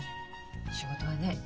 仕事はね